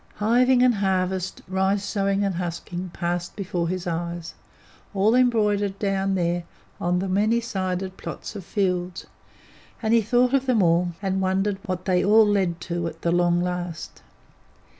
Hiving and harvest, rice sowing and husking, passed before his eyes, all embroidered down there on the many sided plots of fields, and he thought of them all, and wondered what they all led to at the long last.